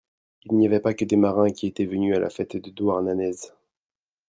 Il n'y avait pas que des marins qui étaient venus à la fête de Douarnenez.